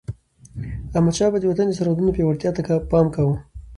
احمدشاه بابا به د وطن د سرحدونو پیاوړتیا ته پام کاوه.